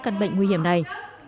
căn bệnh nguy hiểm này